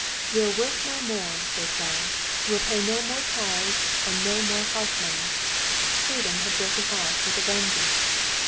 'We'll work no more!' they cried; 'we'll pay no more tithes, and no more hearth money.' Freedom had broken out with a vengeance!